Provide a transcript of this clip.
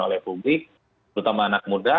oleh publik terutama anak muda